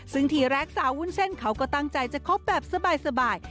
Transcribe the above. ซึ่งทีแรกสาววุ้นเส้นเขาก็ตั้งใจจะคบแบบสบาย